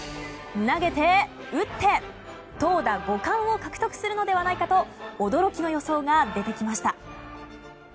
投げて、打って、投打５冠を獲得するのではないかと驚きの予想が出てきました。